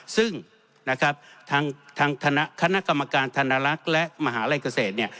ซึ่งนะครับทางคณะกรรมการธนลักษณ์และมหาลัยเกษตรเนี่ย